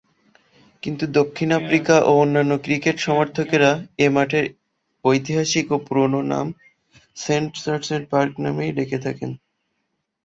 কিন্তু দক্ষিণ আফ্রিকা ও অন্যান্য ক্রিকেট সমর্থকেরা এ মাঠের ঐতিহাসিক ও পুরনো নাম সেন্ট জর্জেস পার্ক নামেই ডেকে থাকেন।